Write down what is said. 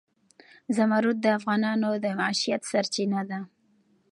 زمرد د افغانانو د معیشت سرچینه ده.